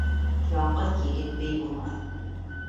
Яңғыҙ егет бей булмаҫ